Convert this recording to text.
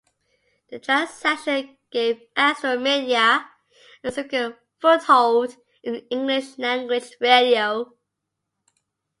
The transaction gave Astral Media a significant foothold in English-language radio.